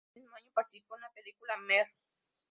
Ese mismo año participó en la película "Mr.